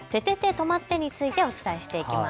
とまって！についてお伝えしていきます。